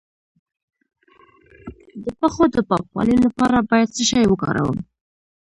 د پښو د پاکوالي لپاره باید څه شی وکاروم؟